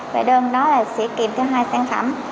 và đơn đó sẽ kịp theo hai sản phẩm